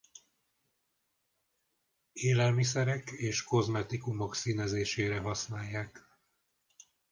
Élelmiszerek és kozmetikumok színezésére használják.